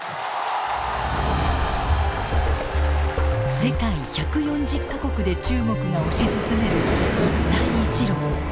世界１４０か国で中国が推し進める一帯一路。